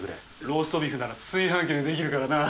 ローストビーフなら炊飯器でできるからな。